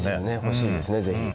欲しいですね是非。